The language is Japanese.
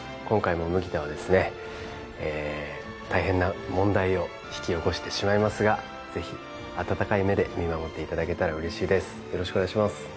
今回も麦田はですね大変な問題を引き起こしてしまいますがぜひ温かい目で見守っていただけたら嬉しいです